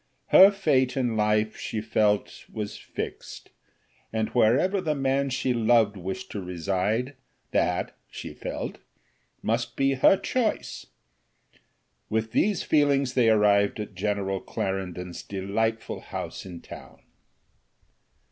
Her fate in life, she felt, was fixed, and wherever the man she loved wished to reside, that, she felt, must be her choice. With these feelings they arrived at General Clarendon's delightful house in town.